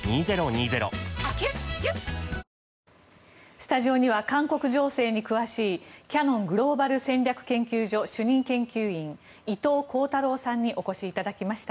スタジオには韓国情勢に詳しいキヤノングローバル戦略研究所主任研究員伊藤弘太郎さんにお越しいただきました。